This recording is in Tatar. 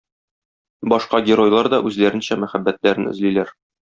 Башка геройлар да үзләренчә мәхәббәтләрен эзлиләр.